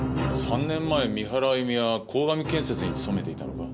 ３年前三原あゆみは鴻上建設に勤めていたのか？